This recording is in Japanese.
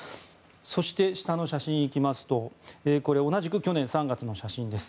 そして、下の写真に行きますと同じく去年３月の写真です。